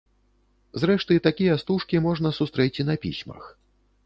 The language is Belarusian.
Зрэшты, такія стужкі можна сустрэць і на пісьмах.